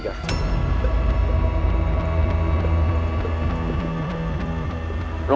gak ada masalah